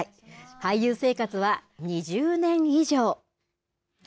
俳優生活は２０年以上。